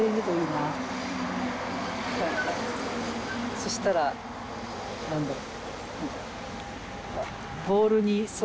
そしたらなんだろう。